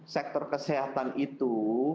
sektor kesehatan itu